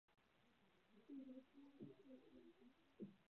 自由砂拉越电台。